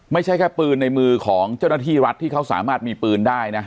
ไม่ใช่แค่ปืนในมือของเจ้าหน้าที่รัฐที่เขาสามารถมีปืนได้นะ